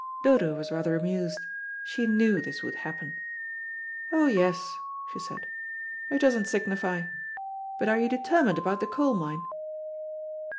Dodo was rather amused. She knew this would happen. "Oh, yes," she said; "it doesn't signify. But are you determined about the coal mine?"